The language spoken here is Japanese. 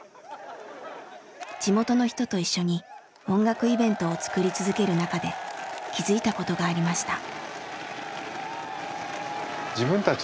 地元の人と一緒に音楽イベントをつくり続ける中で気付いたことがありました。